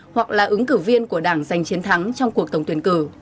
hoặc là ứng cử viên của đảng giành chiến thắng trong cuộc tổng tuyển cử